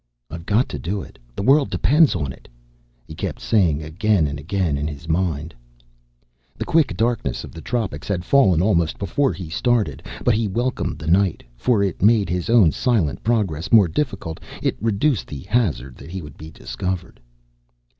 "I've got to do it! The world depends on it!" he kept saying again and again in his mind. The quick darkness of the tropics had fallen almost before he started. But he welcomed the night, for, if it made his own silent progress more difficult, it reduced the hazard that he would be discovered.